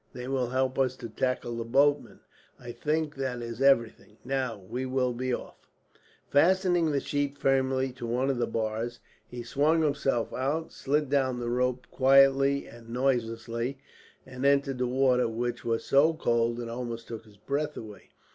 They will help us to tackle the boatmen. I think that is everything. Now, we will be off." Fastening the sheet firmly to one of the bars, he swung himself out, slid down the rope quietly and noiselessly, and entered the water, which was so cold that it almost took his breath away.